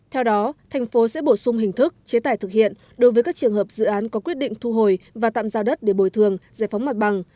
theo đó thành phố sẽ bổ sung hình thức chế tải thực hiện đối với các trường hợp dự án có quyết định thu hồi và tạm giao đất để bồi thường giải phóng mặt bằng